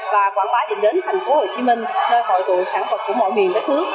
và quảng bá định đến thành phố hồ chí minh nơi hội tụ sản phẩm của mọi miền đất nước